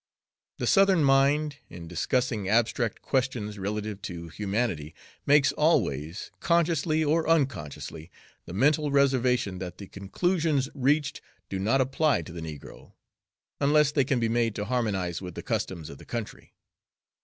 The Southern mind, in discussing abstract questions relative to humanity, makes always, consciously or unconsciously, the mental reservation that the conclusions reached do not apply to the negro, unless they can be made to harmonize with the customs of the country.